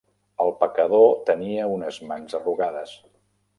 El pecador tenia unes mans arrugades.